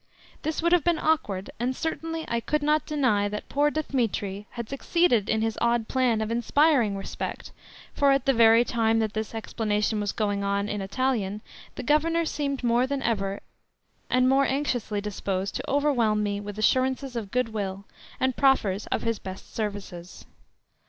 This would have been awkward, and certainly I could not deny that poor Dthemetri had succeeded in his odd plan of inspiring respect, for at the very time that this explanation was going on in Italian the Governor seemed more than ever, and more anxiously, disposed to overwhelm me with assurances of goodwill, and proffers of his best services.